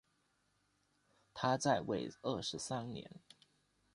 他在位二十三年。